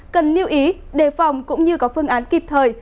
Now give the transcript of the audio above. cần lưu ý đề phòng cũng như có phương án kịp thời